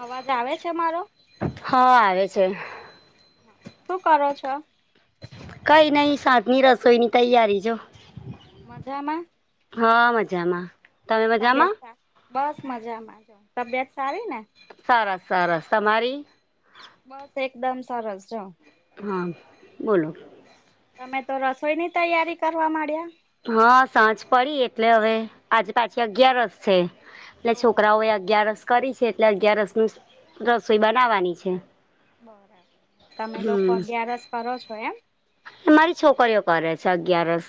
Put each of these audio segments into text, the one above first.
અવાજ આવે છે મારો? હા, આવે છે. શું કરો છો? કઈ નઈ સાંજની રસોઈની તૈયારી જો. મજામાં? હા, મજામાં. તમે તબિયત મજામાં બસ મજામાં જ, તબિયત સારી ને. સરસ, સરસ, તમારી? બસ, એકદમ સરસ છું. હા, બોલો? તમે તો રસોઈ ની તૈયારી કરવા માંડ્યા. હા, સાંજ પડી, એટલે હવે આજે પાછી અગિયારસ છે. એટલે છોકરાઓ ઓહો એ અગિયારસ કરી છે, એટલે અગિયારસ ની રસોઈ બનાવાની છે. બરાબર, તમે લોકો હમ અગિયાર જ કરો છો? એમ. મારી છોકરીઓ કરે છે, અગિયારસ.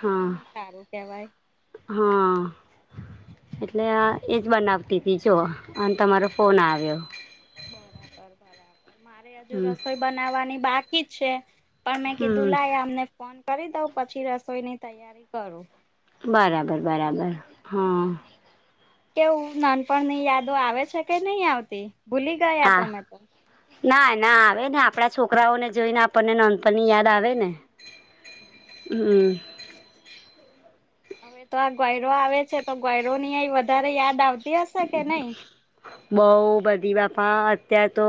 હા ઘણું સારું, કેવાય. હા, એટલે આ એક બનાવતી હતી, જો અને તમારો ફોન આવ્યો. બરાબર, બરાબર, મારે હજુ હમ રસોઈ બનાવવાની બાકી જ છે. પણ મેં કીધું હમ લે એ અમને ફોન કરી દઉં, પછી રસોઈની તૈયારી કરું. બરાબર, બરાબર, હા. કેવું નાનપણ ની યાદો આવે છે, કે નહી, આવતી ભૂલી ગયા આ તમે તો. ના, ના, આવે ને, આપણા છોકરાઓને જોઈને, આપણને નાઞપણની યાદ આવે ને. હમ. હમ. હવે તો આ ગયરો આવે છે, તો ગયરો ની અ વધારે યાદ આવતી. હશે કે નઈ બહુ બધી બાપા અત્યાર તો.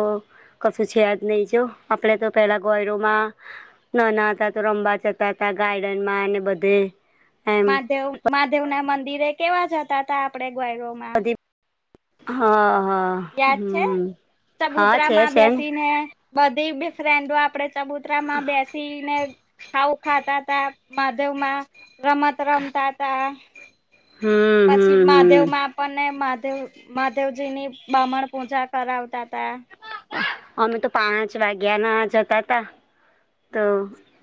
કશું છે જ નહી, જો આપણે તો પેલા ગોયરોમાં. નાના હતા તો, રમવા જતા હતા, ગાર્ડન માં અને બધે એમ મહાદેવ, મહાદેવ ના મંદિરે કેવા જતા હતા, આપડે ગ્વાયડ. દી, હા, હા. યાદ છે, હમ હા છે ચબૂતરામાં છે ને બેસીન હૈ. બધી ફ્રેન્ડો આપડે ચબુતરામાં બેસીને, ખાવું ખાતા હતા. મહાદેવ માં રમત રમતા હતા. હમ, હમ. મહાદેવ હમ માં આપણને, મહાદેવ મહાદેવજી ની બમણ પૂજા કરાવતા હતા. અમે તો પાંચ વાગ્યા ના જતા હતા, તો.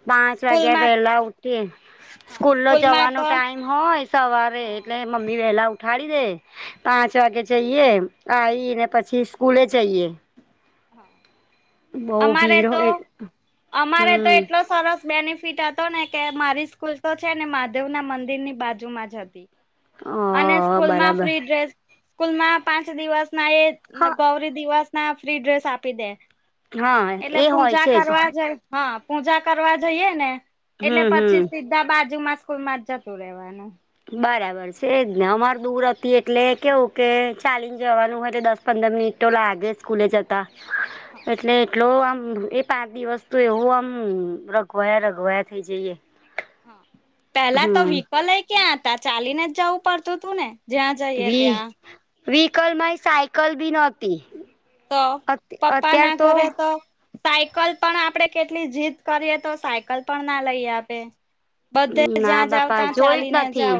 પાંચ વાગ્યા સ્કૂલમાં પહેલા ઉઠી, સ્કૂલ નો સ્કૂલમાં જવાનો તો ટાઈમ. હોય, સવારે એટલે મમ્મી વેલા ઉઠાડી દે. પાંચ વાગે જઈએ આવીને પછી સ્કૂલે જઈએ. બહુ અમારે ભીડ તો હોય અમારે તો હમ એટલો સરસ બેનિફિટ હતો ને કે મારી સ્કૂલ તો છે ને મહાદેવ ના મંદિર ની બાજુમાં જ હતી. અને અ સ્કૂલ માં બરાબર ફ્રી ડ્રેસ સ્કૂલમાં પાંચ દિવસ ના એ હા ગૌરી દિવસ ના ફ્રી ડ્રેસ આપી દે હા એટલે એ હોય પૂજા છે જ કરવા જે હા પૂજા કરવા જઈએ ને એટલે હમ પછી હમ બધા બાજુ માં સ્કૂલ માં જ જતું રહેવાનું. બરાબર છેને અમાર દૂર હતી એટલે કેવું કે ચાલીને જવાનું હરે દસ પંદર મિનિટ તો લાગે સ્કૂલે જતા હા એટલે એટલો આમ એ પાં દિવસ્તુ એવું આમ રઘવાયા રઘવાયા થઈ જઈએ પેલા તો હમ વ્હીકલય ક્યાં હતા ચાલીને જ જવું પડતું હતું ને. જ્યાં જઈએ ત્યાં. વ્હીકલમાં સાયકલ બી નહોતી. તો પપ્પા ના ઘરે તો સાયકલ પણ આપડે કેટલી જીદ કરીએ તો સાયકલ પણ ના લઈએ આપે. બધે ના જ્યાં જાવ બાપા ત્યાં જોયું જ ચાલીને નથી જાવ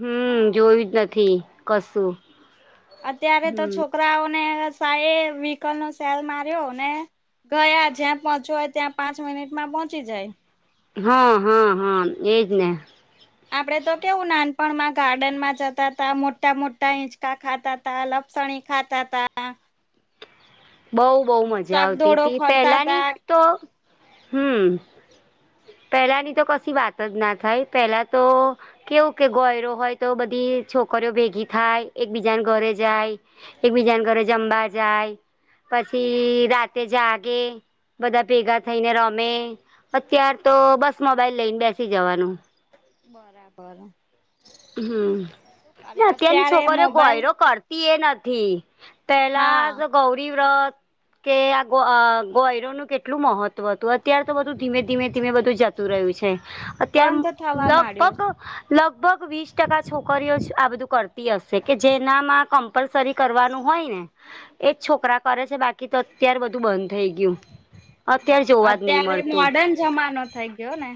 હમ્મ હા જોયું જ નથી. કસું. અત્યારે તો છોકરાઓને સય વ્હીકલ નો શેલ માર્યોને ગયા જ્યાં પહોંચ્યું હોય ત્યાં પાંચ મિનિટમાં પહોંચી જાય. હા હા હા એજ ને. આપણે તો કેવું નાનપણમાં ગાર્ડનમાં જતા હતા મોટા મોટા ઇંચકા ખાતા ત લપસણી ખાતા તા. બહુ બહ મજા આવતી ચાકદોડો હતી ફરતા પેલાની તા તો હમ્મ. પહેલાંની તો કશી વાત જ ના થાય પહેલાં તો કેવું કે ગોયરો હોય તો બધી છોકરીઓ ભેગી થાય એક બીજાને ઘરે જાય એકબીજાને ઘરે જમવા જાય પછી રાતે જાગે બધા ભેગા થઈને રમે અત્યાર તો બસ મોબાઈલ લઈને બેસી જવાનું. બરાબર. હમ્મ અરે અત્યારની અત્યારે છોકરીઓ મોબાઈલ ગોયરો કરતા તીએ નથી પેલા હા જ ગૌરીવ્રત કે આ ગોયરોનું કેટલું મહત્વ હતું અત્યારે તો બધું ધીમે ધીમે ધીમે બધું જત રહ્યું છે અત્યાર બંધ થવા માંડ્યો લગભગ છે. લગ લગભગ વીસ ટકા છોકરીઓ જ આ બધું કરતી હશે કે જેનામાં કમ્પલસરી કરવાનું હોય ને. એજ છોકરા કરે છે બાકી તો અત્યાર બધું બંધ થઈ ગયું. અત્યારે હા જોવા જ નહી અત્યારે મળતું મોર્ડન જમાનો થઇ ગયો ને.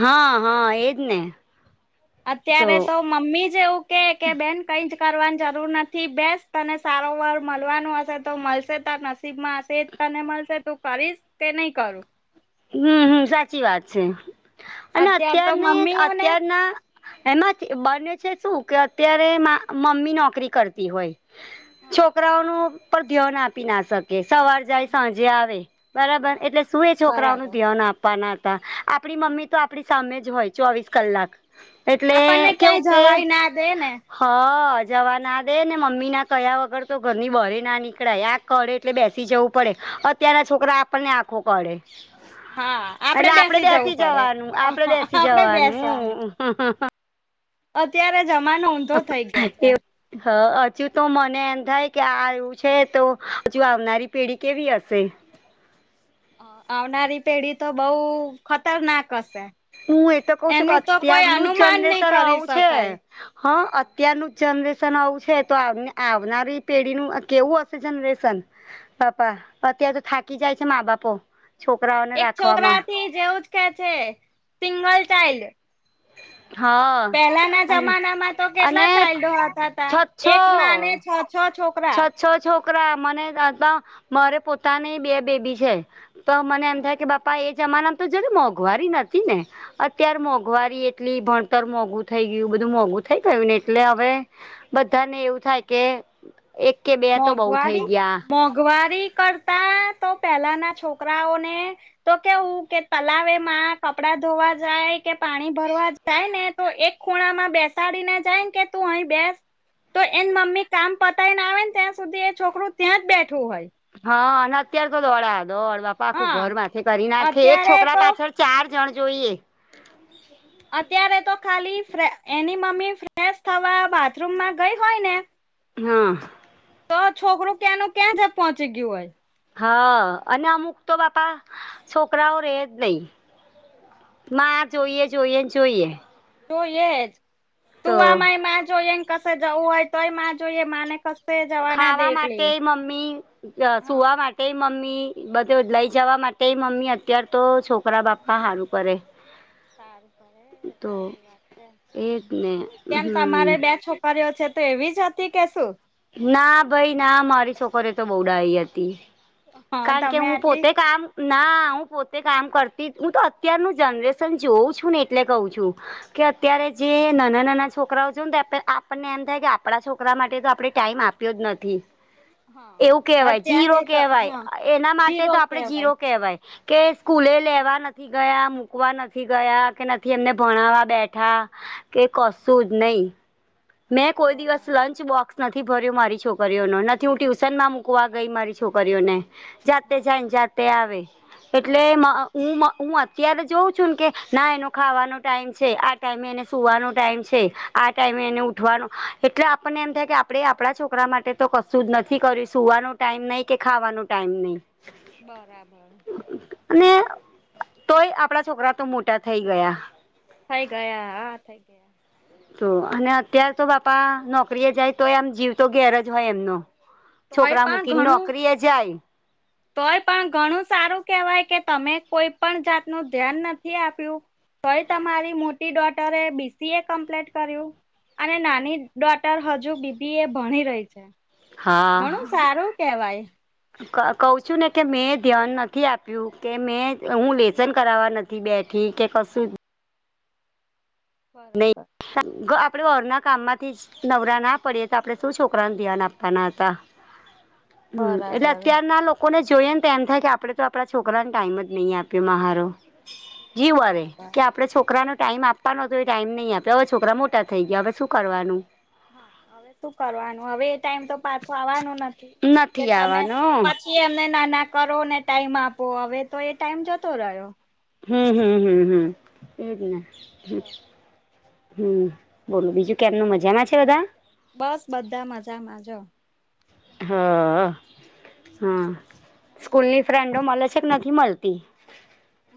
હા હા એજ ને. અત્યારે તો મમ્મી જ એવું કે કે બેન કઈજ. કરવાની જરૂર નથી બેસ તને સારો વર મળવાનું હશે તો મળશે તો નસીબમાં હશે. તને મળશે તું કરીશ તે નહી કરું. હમ હમ સાચી વાત છે અત્યાર તો અને અત્યારને મમ્મીઓને અત્યારના એમાં બને છે શું કે અત્યારે મમ્મી નોકરી કરતી હોય. હા છોકરાઓ ન પણ ધ્યાન આપી ના શકે સવાર જાય હા સાંજે આવે બરાબર હા એટલે શું એ છોકરાઓનું બરાબર આપવાના હતા આપણી મમ્મી તો આપણી સામે જ હોય ચોવીસ કલાક એટલે આપણને કેવું ક્યાંય કે. જવાય ના દે ને હ જવા ના દે ને મમ્મી ના કયા વગર તો ઘરની બહરે ના નીકળાય અ. કરે એટલે બેસી જવું પડે અત્યના છોકરા આપણને આખો કઢે. હા એટલે આપડે જવું બેસી પડે જવાનું આપડે બેસી આપડે જવાનું. બેસવાનું હા હા હા. અત્યારે જમાનો ઊંધો થઈ હા ગયો છે. તેવ હ હજુ તો મને એમ થાય કે આ આવું છે તો હજુ આવનારી પેઢી કેવી હશે. આવનારી પેઢી તો બઉ ખતરનાક હશે. હું એ તો કઉ છું કે એનું તો કોઈ અત્યારનું જ અનુમાન નહી જનરેશન કરી આવું છે. શકાય. હા અત્યારનું જનરેશન આવું છે તો આવનારી પેઢીનું કેવું જનરેશન પાપા અત્યારે તો થાકી જાય છે મા બાપો છોકરાઓને એક રાખવામાં છોકરાથી જેવું જ કે છે સિંગલ ચાઈલ્ડ હા પેલાના અને જમાનામાં તો કેટલા અને ચાઇલ્ડો હતા હતા છ છો એકના અને છ છ છોકરી છ છ છોકરા મને મારે પોતાની બે બેબી છે. તો મને એમ થાય કે બાપા એ જમાનામાં તો જ મોંઘવારી નથી ને અત્યારે મોંઘવારી એટલી ભણતર મોંઘું થઈ ગયું બધું મોંઘું થઈ ગયું ને એટલે હવે બધાને એવું થાય કે એક. કે બે તો બહુ થઈ મોંઘવારી ગયા મોંઘવારી કરતા તો પેલાના છોકરાઓને તો કેવું કે તલાવેમાં કપડા ધોવા જાય કે પાણી ભરવા જાય ને તો એક ખૂણામાં બેસાડીને જાયને કે તું અહી બેસ. તો એની મમ્મી કામ પતાય ને આવે ને ત્યાં સુધી એ છોકરો ત્યાં જ બેઠો હોય. હા અને અત્યારે તો દોડા દોડ બાપા આખું હા ઘર માંથે કરી નાખે એક અત્યારે છોકરા તો પાછળ ચાર જણ જોઈએ. અત્યારે તો ખાલી ફ્રે એની મમ્મી ફ્રેશ થવા બાથરૂમમાં ગઈ હોય ને હમ તો છોકરું ક્યાંનું ક્યાં જ પહોંચી ગયું હોય. હા અને અમુક તો બાપા છોકરાઓ રે જ નઈ. માં જોઈએ જોઈએ જોઈએ. જોઈએ જ તો સુવામાંયે માં જોઈમ કશે જવું હોય તોય માં જોઈએ માને ક ખાવા માટે મમ્મી જ હા સુવા માટે મમ્મી બધે હા લઈ જવા માટે તે મમ્મી અત્યાર તો છોકરા બાપા હારું કરે. તો એજ ને કેમ તમારે હમ બે છોકર્યો છે તો એવી જ હતી કે શું? ના ભાઈ ના મારી છોકરિયો તો બૌ ડાઈ હતી. હા કારણ કે તમે હું આટલી પોતે કામ ના હું પોતે કામ કરતી હું તો અત્યારનું જનરેશન જોઉં છું ને એટલે કહું છું. કે અત્યારે જે નાના નાના છોકરાઓ જોઉં ને તો એમ થાય આપણને એમ થાય કે આપણા છોકરા માટે તો આપણે ટાઈમ આપ તુજ નથી [inaudible] એવું કહેવાય જીરો અત્યારે તો કેહેવાય હા એના માટે જીરો તો આપડે કેવાય જીરો કેહેવાય. કે સ્કૂલે લેવા નથી ગયા મૂકવા નથી ગયા કે નથી એમને ભણાવવા બેઠા. કે કશું જ નહી મેં કોઈ દિવસ બરાબર લંચ બોક્સ નથી ભર્યું મારી છોકરીઓનો નથી હું ટ્યુશન માં મુકવા ગઈ મારી છોકરીઓને. જાતે હા જાયને જાતે આવે એટલે મેં બરાબર હું મ હું ત્યારે જોઉં છું ને કે ના એનો ખાવાનો ટાઈમ છે આ ટાઈમે એને સુવાનો ટાઈમ છે આ ટાઈમે એને ઉઠવાનું એટલે આપણને એમ થાય કે આપણે આપણા છોકરા માટે તો કશું જ નથી કર્યું સુવાનું ટાઈમ નઈ કે ખાવાનું ટાઈમ નઈ. બરાબર અને તોય આપડા છોકરા તો મોટા થઈ ગયા. થઈ ગયા હા થઈ ગયા તો અને અત્યાર તો બાપા નોકરીએ જાય તોએ એમ જીવ તો ઘેર જ હોય એમનો. છોકરા મૂકીને નોકરી એ જાય [inaudible] તોયે પણ ઘણું સારું કેહેવાય કે તમે કોઈ પણ જાત નું ધ્યાન નથી આપ્યું. તોયે તમારી મોટી ડોટરે બીસીએ કમ્પ્લીટ કર્યું? અને નાની ડોટર હજુ બીબીએ ભણી રહી છે. ઘણું સારું કેવાય. ક કહું છું ને કે મેં ધ્યાન નથી આપ્યું કે મેં હું લેસન કરાવવા બેઠી કે કશું નહી બરાબર. [unintelligible] આપણે ઘરના કામમાંથી જ નવરા ના પડીએ તો આપણે શું છોકરાને ધ્યાન આપવાના હતા? [inaudible] હમ્મ એટલે બરાબર. અત્યાર ના કોને જોઈએને તો એમ થાય કે આપણેે તો આપણા છોકરાને ટાઈમ જ નહી આપ્યો મહારો. જીવ બરે બરાબર કે આપણે છોકરાને જીવ ટાઈમ બરે. આપવાનો હતો એ ટાઈમ નહી આપ્યો હવે છોકરા મોટા થઈ ગયા હવે શું કરવાનું? હા શું કરવાનું હવે એ ટાઈમ તો પાછો આવવાનો નથી કે નથી તમે આવવાનો પા કે એમને નાના કરો ને ટાઈમ આપો હવે તો એ ટાઈમ જતો રહ્યો. હમ્મ હમ્મ હમ્મ હમ્મ એજ હમ્મ બોલો બીજું કેમનુ મજામાં છે બધા બસ બધા મજા જો હ હા હમ્મ સ્કૂલની ફ્રેન્ડો મલે છે કે નથી મલતી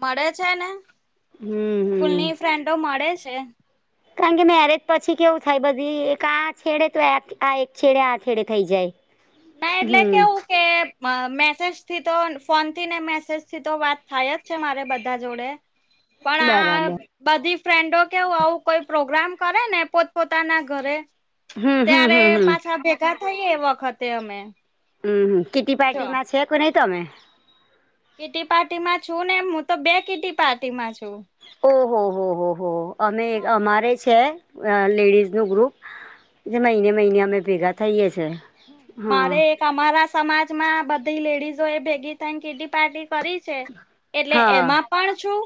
મળે છે ને. હમ્મ. સ્કૂલ ની ફ્રેન્ડો મળે છે. કારણ કે મેરેજ પછી કેવું થાય બધી એક આ છેડે તો આ એક છેડે આ છેડે થઈ જાય. ના એટલે હમ કેવું કે મેસેજ થી તો ફોન થી ને મેસેજ થી તો વાત થાય જ છે મારે બધા જોડે પણ આ બરાબર બધી ફ્રેન્ડો કેવું આવું કોઈ પ્રોગ્રામ કરે ને પોત પોતાના ઘરે હમ હમ ત્યારે હમ હમ હમ પાછા ભેગા થઈ એ વખતે અમે હમ્મ હમ્મ કીટી જો પાર્ટીમાં છે કે નહીં તમે કીટી પાર્ટી માં છું ને હું તો બે કીટી પાર્ટીમાં છું. ઓહો હો હો હો અમે હા અમારે છે. અ લેડીઝ નું ગ્રુપ જે મહિને મહિને અમે ભેગા થઈએ છીએ. મારે એક અમારા સમાજ માં બધી લેડીઝો એ ભેગી થઈ ને કીટી પાર્ટી કરી છે એટલે હા એમાં પણ છું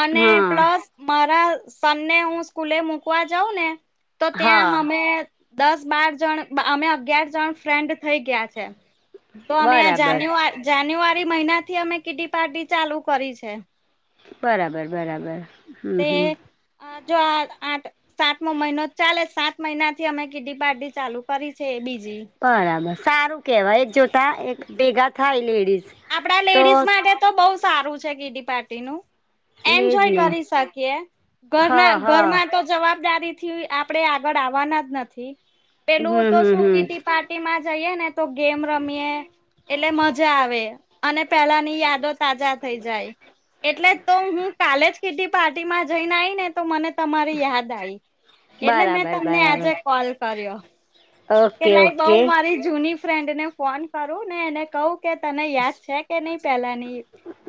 અને હા પ્લસ મારા સન ને હું સ્કૂલે મુકવા જાઉં ને તો ત્યાં હા અમે દસ બાર જણ અમે અગિયાર જણ ફ્રેન્ડ થઇ ગયા છે. તો અમે આ બરાબર જાન્યુ જાન્યુઆરી મહિના થી અમે કીટી પાર્ટી ચાલુ કરી છે. બરાબર બરાબર હમ તે હમ આજો આઠ સાતમો મહિનો ચાલે સાત મહિના થી અમે કીટી પાર્ટી ચાલુ કરી છે બીજી બરાબર સારું કેવાય એક જોતા એક ભેગા થાય લેડીઝ આપડા તો લેડીઝ માટે તો બહુ સારું છે કીટી પાર્ટીનું એજ એન્જોય ને કરી શકીએ ઘરના હા હા ઘરમાં તો જવાબદારી થી આપણેે આગળ આવવાના જ નથી પેલું તો હમ હમ શું હમ કીટી પાર્ટી કીટીમાં જઈએ ને તો ગેમ રમીએ એટલે મજા આવે અને પેલાની યાદો તાજા થઈ જાય. એટલે તો હું કાલે જ કીટી પાર્ટી માં જઈને આવી ને તો મને તમારી યાદ આવી એટલે મેં બરાબર તમને આજે બરાબર કોલ કર્યો. ઓકે એટલે બઉ ઓકે મારી જૂની ફ્રેન્ડ ને ફોન કરું ને એને કહું કે તને યાદ છે કે નહી પેલાની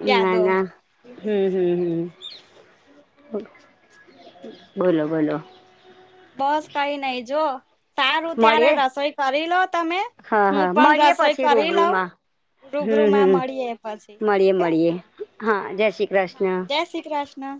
યાદો નાના હમ હમ હમ બોલો બોલો બસ કઈ નહી જો સારું ત્યારે મળીએ રસોઈ કરી લો તમે હા હું હા પણ મળીએ રસોઈ પછી કરી લઉ. રૂબરૂમાં રૂબરૂ હમ માં હમ મળીએ પછી મળીએ ઓકે મળીએ હા જય શ્રી કૃષ્ણ જ જય શ્રી કૃષ્ણ